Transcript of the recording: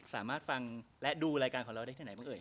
เซ่นที